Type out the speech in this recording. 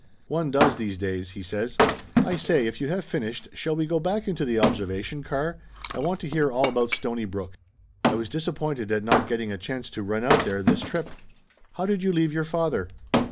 "One does, these days !" he says. "I say, if you have finished, shall we go back into the observation car? I want to hear all about Stonybrook. I was disap pointed at not getting a chance to run out there this trip. How did you leave your father?"